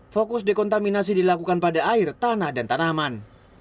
fokus dekontaminasi dilakukan pada air tanah dan tanaman